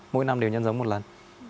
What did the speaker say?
mỗi năm đều nhân dống một lần